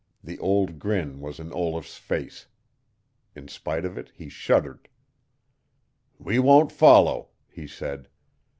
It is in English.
The old grin was in Olaf's face. In spite of it he shuddered. "We won't follow," he said.